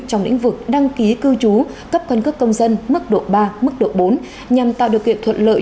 trong lĩnh vực đăng ký cư trú cấp căn cước công dân mức độ ba mức độ bốn nhằm tạo điều kiện thuận lợi